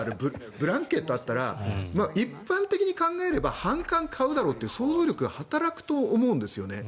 ブランケットがあったら一般的に考えれば反感を買うだろうという想像力が働くと思うんですね。